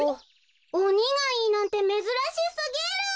おにがいいなんてめずらしすぎる。